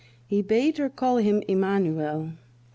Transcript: He bade her call him Immanuel.